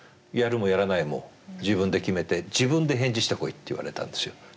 やるもやらないも自分で決めて自分で返事してこいって言われたんですよ。